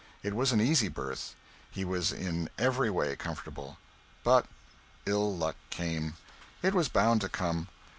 It was an easy berth. He was in every way comfortable. But ill luck came. It was bound to come.